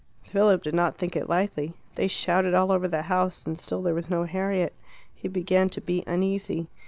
Philip did not think it likely. They shouted all over the house and still there was no Harriet. He began to be uneasy.